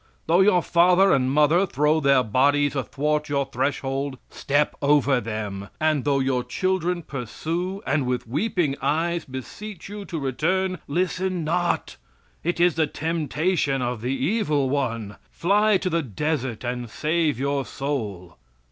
Though your father and mother throw their bodies athwart your threshold, step over them; and though your children pursue and with weeping eyes beseech you to return, listen not. It is the temptation of the evil one. Fly to the desert and save your soul."